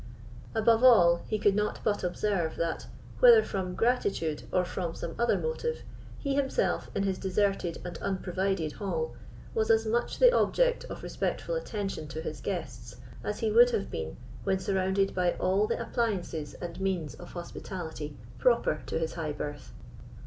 Above all, he could not be observe that, whether from gratitude or from some other motive, he himself, in his deserted and unprovided hall, was as much the object of respectful attention to his guests as he would have been when surrounded by all the appliances and means of hospitality proper to his high birth.